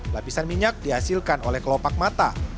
lapisan minyak dihasilkan oleh kelopak mata